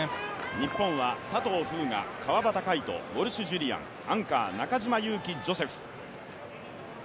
日本は佐藤風雅、川端魁人、ウォルシュ・ジュリアン、アンカー、中島佑気ジョセフ。